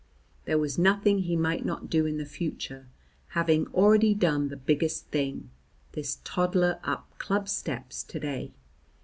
There was nothing he might not do in the future, having already done the biggest thing, this toddler up club steps to day.